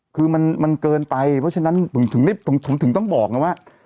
คือมันเกินไปเพราะฉะนั้นถึงต้องบอกไงว่า